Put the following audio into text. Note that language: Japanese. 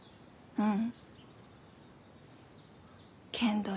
うん。